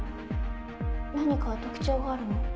何か特徴があるの？